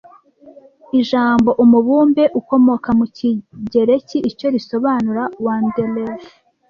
Ijambo umubumbe ukomoka mu kigereki icyo risobanura Wanderers